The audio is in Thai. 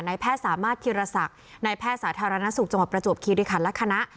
แพทย์สามารถธีรศักดิ์ในแพทย์สาธารณสุขจังหวัดประจวบคิริคันและคณะ